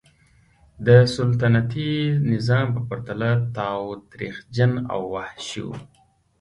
د سلطنتي نظام په پرتله تاوتریخجن او وحشي و.